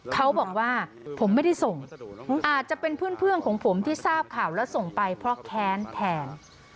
เขาบอกว่าผมไม่ได้ส่งอาจจะเป็นเพื่อนของผมที่ทราบข่าวแล้วส่งไปเพราะแค้นแทน